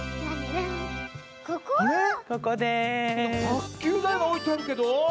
たっきゅうだいがおいてあるけど。